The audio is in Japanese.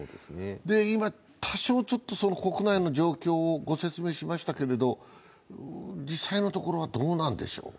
今、多少国内の状況をご説明しましたけれども、実際のところはどうなんでしょう？